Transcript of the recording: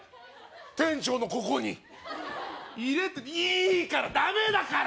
店長のここに入れていいからダメだから！